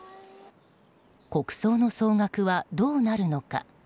国葬の総額はどうなるのか。